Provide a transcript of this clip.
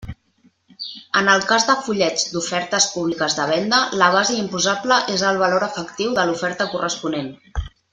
En el cas de fullets d'ofertes públiques de venda, la base imposable és el valor efectiu de l'oferta corresponent.